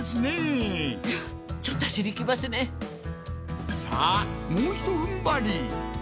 いやちょっと脚にきますねぇさあもうひと踏ん張り！